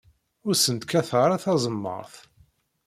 Ur sent-kkateɣ ara taẓemmaṛt.